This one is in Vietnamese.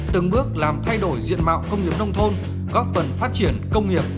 từng bước làm thay đổi diện mạo công nghiệp nông thôn góp phần phát triển công nghiệp